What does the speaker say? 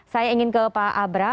saya ingin ke pak abra